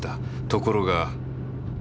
ところが